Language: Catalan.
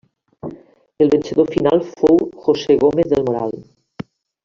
El vencedor final fou José Gómez del Moral.